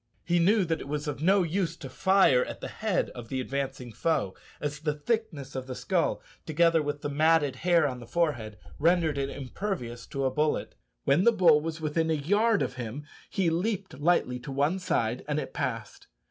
He knew that it was of no use to fire at the head of the advancing foe, as the thickness of the skull, together with the matted hair on the forehead, rendered it impervious to a bullet. When the bull was within a yard of him he leaped lightly to one side and it passed.